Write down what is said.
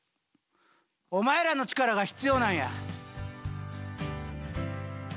お前らの力が必要なんや。